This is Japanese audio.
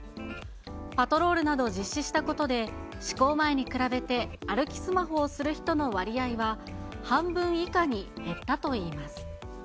パトロールなどを実施したことで、施行前に比べて歩きスマホをする人の割合は半分以下に減ったといいます。